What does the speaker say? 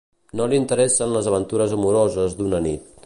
No li interessen les aventures amoroses d'una nit.